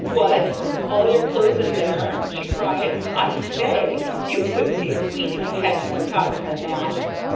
"What? All your clothes in there?" she cried. "I say! You couldn't be a queen if you hadn't more togs than that."